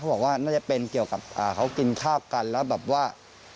บอกว่าน่าจะเป็นเกี่ยวกับเขากินข้าวกันแล้วแบบว่า